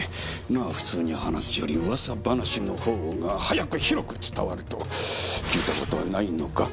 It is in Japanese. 普通に話すより噂話のほうが早く広く伝わると聞いた事はないのか？